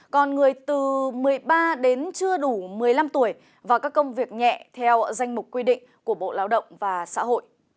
còn người từ một mươi ba đến chưa đủ một mươi năm tuổi và các công việc nhẹ theo danh mục quy định của bộ lao động và xã hội